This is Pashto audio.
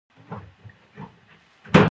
د علامه رشاد لیکنی هنر مهم دی ځکه چې اغېزمن دی.